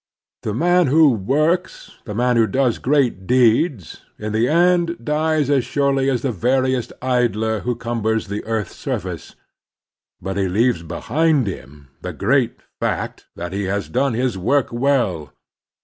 The man who works, the man who does great deeds, in the end dies as surely as the veriest idler who cumbers the earth's surface; but he leaves behind him the great fact that he has done his work well.